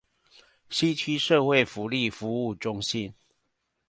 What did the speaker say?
西區社會福利服務中心